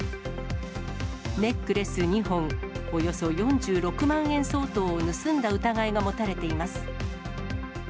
ネックレス２本、およそ４６万円相当を盗んだ疑いが持たれています。